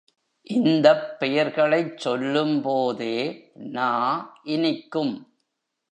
இந்தப் பெயர்களைச் சொல்லும்போதே நா இனிக்கும்.